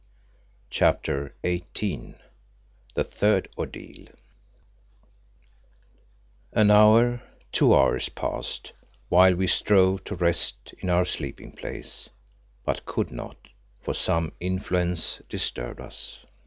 CHAPTER XVIII THE THIRD ORDEAL An hour, two hours passed, while we strove to rest in our sleeping place, but could not, for some influence disturbed us.